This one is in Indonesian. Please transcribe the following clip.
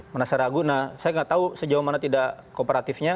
menasar ragu nah saya nggak tahu sejauh mana tidak kooperatifnya